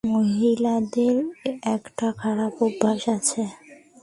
মহিলাদের একটা খারাপ অভ্যাস আছে।